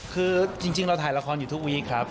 คือจริงเราถ่ายละครอยู่ทุกวีคครับ